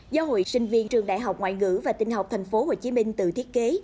do hội sinh viên trường đại học ngoại ngữ và tinh học tp hcm tự thiết kế